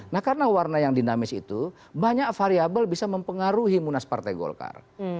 nah karena warna yang dinamis itu banyak variable bisa mempengaruhi munas partai golkar